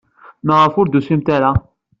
Maɣef ur d-tusimt ara?